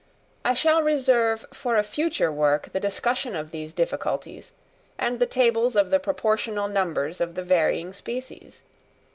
I shall reserve for a future work the discussion of these difficulties, and the tables of the proportional numbers of the varying species.